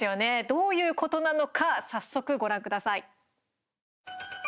どういうことなのか早速、ご覧ください。